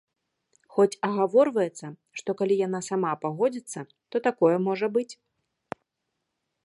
Хоць агаворваецца, што калі яна сама пагодзіцца, то такое можа быць.